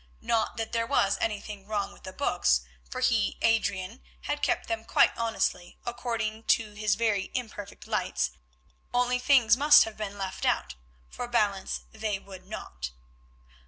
Not that there was anything wrong with the books, for he, Adrian, had kept them quite honestly according to his very imperfect lights, only things must have been left out, for balance they would not.